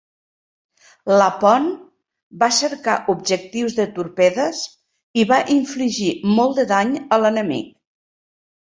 "Lapon" va cercar objectius de torpedes i va infligir molt de dany a l'enemic.